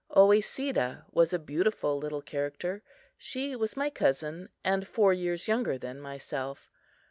Oesedah was a beautiful little character. She was my cousin, and four years younger than myself.